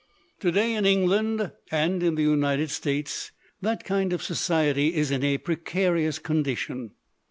" To day, in England and in the United States, that kind of society is in a precarious condition.